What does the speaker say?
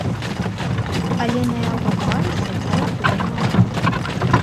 Але на яго твары сядзела плойма мух.